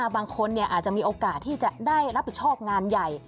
บางคนอาจจะมีโอกาสที่จะได้รับผิดชอบงานใหญ่